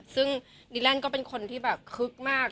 ซึ่งนิแรนก็เป็นคนที่คึกมาก